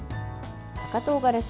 赤とうがらし。